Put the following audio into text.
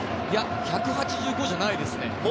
１８５じゃないですね。